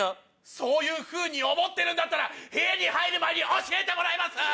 そういうふうに思ってるんだったら部屋に入る前に教えてもらえます